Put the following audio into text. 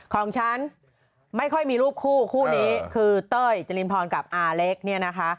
ของฉันไม่ค่อยมีรูปคู่คู่นี้คือเต้ยจรินพรกับอาเล็กเนี่ยนะคะ